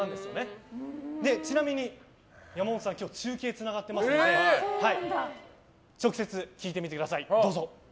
ちなみに山本さん中継つながってますので直接聞いてみてください。